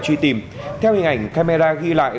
truy tìm theo hình ảnh camera ghi lại